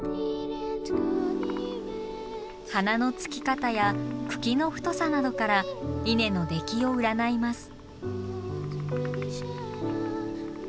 花のつき方や茎の太さなどから稲の出来を占います。